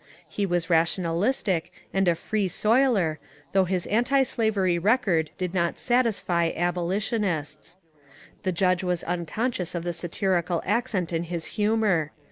He was rationalistic and a "free soiler," though his antislavery record did not satisfy aboli tionists.^ The judge was unconscious of the satirical accent in his humour.